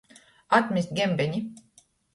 Atmest gembeni.